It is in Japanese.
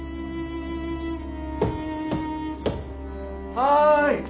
はい。